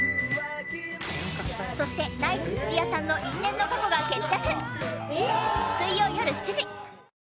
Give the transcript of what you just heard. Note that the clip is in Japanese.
そしてナイツ土屋さんの因縁の過去が決着